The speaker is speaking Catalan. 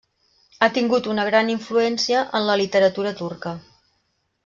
Ha tingut una gran influència en la literatura turca.